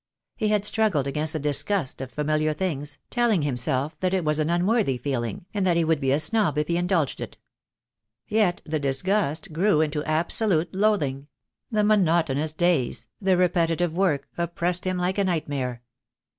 He had struggled against the disgust of familiar things, telling himself that it was an unworthy feeling, and that he would THE DAY WILL COME. I 47 be a snob if he indulged it. Yet the disgust grew into absolute loathing; the monotonous days, the repetitive work, oppressed him like a nightmare.